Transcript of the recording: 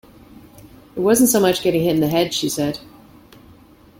"It wasn't so much getting hit in the head," she said.